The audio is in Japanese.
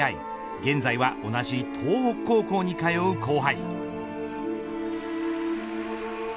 現在は同じ東北高校に通う後輩。